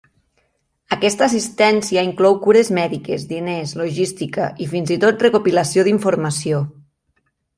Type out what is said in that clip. Aquesta assistència inclou cures mèdiques, diners, logística i fins i tot recopilació d'informació.